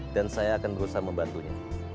dan saya akan berusaha membantunya